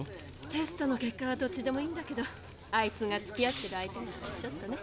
テストの結果はどっちでもいいんだけどあいつがつきあってる相手がちょっとね。